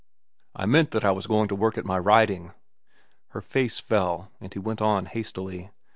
"I meant that I was going to work at my writing." Her face fell, and he went on hastily.